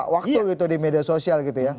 waktu gitu di media sosial gitu ya